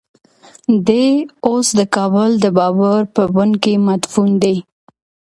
دی اوس د کابل د بابر په بڼ کې مدفون دی.